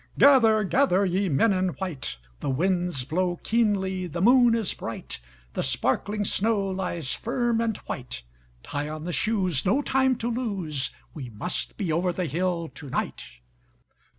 Gather, gather, ye men in white; The winds blow keenly, the moon is bright, The sparkling snow lies firm and white; Tie on the shoes, no time to lose, We must be over the hill to night.